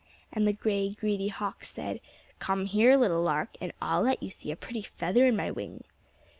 And the gray, greedy hawk said, "Come here, little lark, and I'll let you see a pretty feather in my wing."